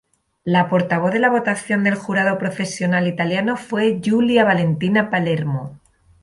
La portavoz de la votación del jurado profesional italiano fue Giulia Valentina Palermo.